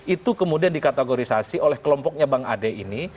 itu kemudian dikategorisasi oleh kelompoknya bang ade ini